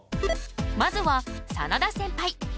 まずは眞田センパイ。